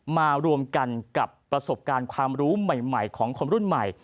มารวมกันกับประสบการณ์ความรู้ใหม่ของคนรุ่นใหม่